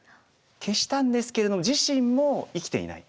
消したんですけれども自身も生きていない。